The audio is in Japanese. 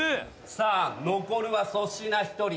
さあ残るは粗品１人。